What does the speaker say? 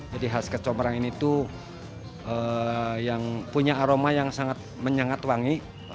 jadi khas kecombrang ini tuh yang punya aroma yang sangat menyangat wangi